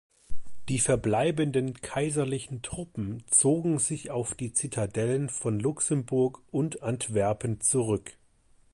Die verbleibenden kaiserlichen Truppen zogen sich auf die Zitadellen von Luxemburg und Antwerpen zurück.